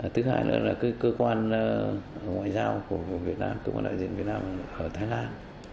thứ hai nữa là cơ quan ngoại giao của việt nam cơ quan đại diện việt nam ở thái lan